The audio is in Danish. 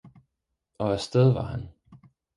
og af sted var han.